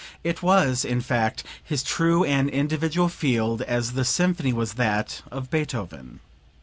It was, in fact, his true and individual field as the symphony was that of Beethoven.